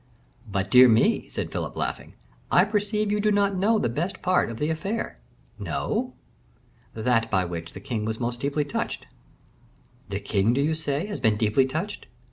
"But, dear me," said Philip, laughing, "I perceive you do not know the best part of the affair." "No!" "That by which the king was most deeply touched." "The king, do you say, has been deeply touched?"